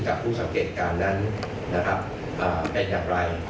กับผู้สังเกตการณ์นั้นเป็นอย่างไร